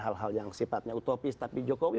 hal hal yang sifatnya utopis tapi jokowi